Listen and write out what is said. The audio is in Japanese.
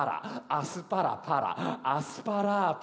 「アスパラパラアスパラガス」